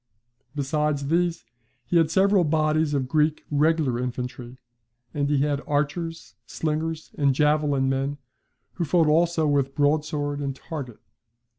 Besides these, he had several bodies of Greek regular infantry; and he had archers, slingers, and javelin men, who fought also with broadsword and target.